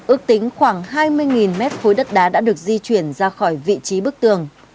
ước tính khoảng hai mươi mét khối đất đá đã được di chuyển ra khỏi vị trí bức tường